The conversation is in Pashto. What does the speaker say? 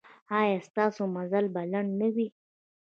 ایا ستاسو مزل به لنډ نه وي؟